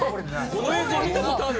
この映像見たことある！